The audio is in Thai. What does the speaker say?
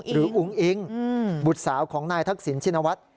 อุ้งอิงบุตรสาวของนายทักษิณชินวัฒน์